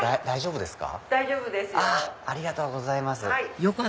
大丈夫ですよ。